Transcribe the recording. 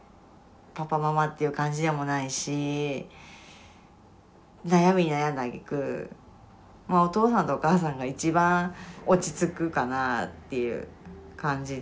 パパママっていう感じでもないし悩みに悩んだあげく「お父さん」と「お母さん」が一番落ち着くかなっていう感じで。